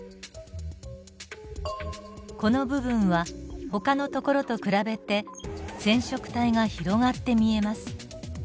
この部分はほかのところと比べて染色体が広がって見えます。